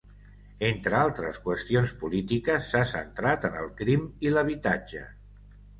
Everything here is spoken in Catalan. Entre altres qüestions polítiques, s'ha centrat en el crim i l'habitatge.